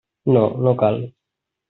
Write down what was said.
No, no cal.